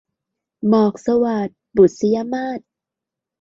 หมอกสวาท - บุษยมาส